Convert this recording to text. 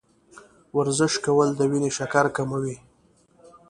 ورزش کول د وینې شکر کموي.